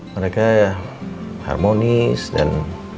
mereka harmonis dan